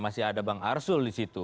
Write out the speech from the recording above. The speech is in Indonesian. masih ada bang arsul di situ